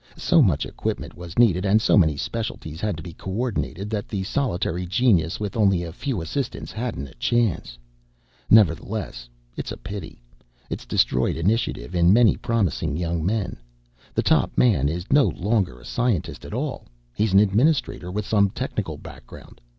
"So much equipment was needed, and so many specialties had to be coordinated, that the solitary genius with only a few assistants hadn't a chance. Nevertheless, it's a pity. It's destroyed initiative in many promising young men. The top man is no longer a scientist at all he's an administrator with some technical background.